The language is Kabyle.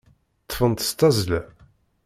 Ṭṭfen-tt s tazzla.